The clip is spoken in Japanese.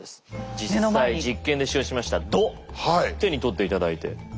実際実験で使用しました弩手に取って頂いて。